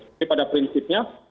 tapi pada prinsipnya